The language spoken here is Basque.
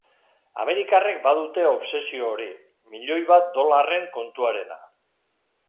Amerikarrek badute obsesio hori, milioi bat dolarren kontuarena.